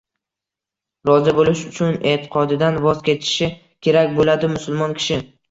Rozi bo‘lish uchun e’tiqodidan voz kechishi kerak bo‘ladi musulmon kishi.